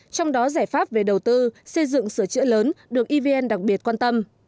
trong đó giải pháp về đầu tư xây dựng sửa chữa lớn được evn đặc biệt quan tâm